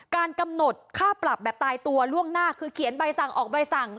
การกำหนดค่าปรับแบบตายตัวล่วงหน้าคือเขียนใบสั่งออกใบสั่ง